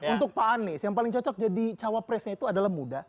untuk pak anies yang paling cocok jadi cawapresnya itu adalah muda